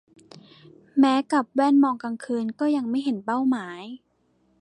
แม้กับแว่นมองกลางคืน ก็ยังไม่เห็นเป้าหมาย